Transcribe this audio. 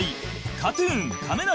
ＫＡＴ−ＴＵＮ亀梨